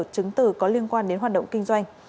chứng từ có liên quan đến hoạt động kinh doanh